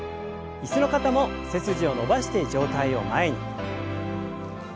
椅子の方も背筋を伸ばして上体を前に。